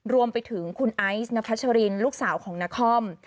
รวมไปถึงคุณไอซ์นพัชรินลูกสาวของนคร